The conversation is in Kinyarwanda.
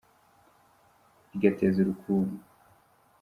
Rigateza urukungu